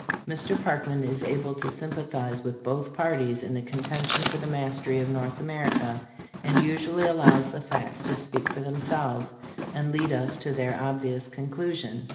Mr. Parkman is able to sympa thize with both parties in the contention for the mastery of North America, and usually allows the facts to speak for themselves and lead us to their ob vious conclusion.